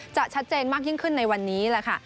ชัดเจนมากยิ่งขึ้นในวันนี้แหละค่ะ